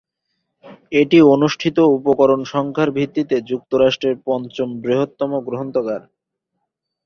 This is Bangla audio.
এটি অনুষ্ঠিত উপকরণ সংখ্যার ভিত্তিতে যুক্তরাষ্ট্রের পঞ্চম বৃহত্তম গ্রন্থাগার।